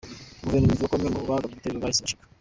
Guverinoma ivuga ko bamwe mu bagabye igitero bahise bacika.